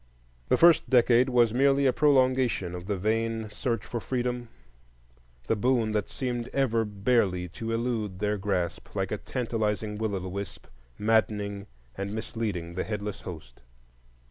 The first decade was merely a prolongation of the vain search for freedom, the boon that seemed ever barely to elude their grasp,—like a tantalizing will o' the wisp, maddening and misleading the headless host.